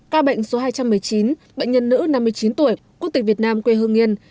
ca bệnh số hai trăm một mươi chín bệnh nhân nữ năm mươi chín tuổi quốc tịch việt nam quê hương yên